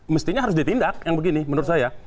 mestinya harus ditindak yang begini menurut saya